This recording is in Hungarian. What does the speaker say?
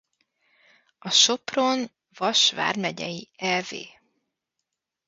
A Sopron-Vas vármegyei ev.